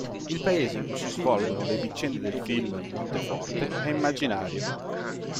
Il paese in cui si svolgono le vicende del film, Monteforte, è immaginario.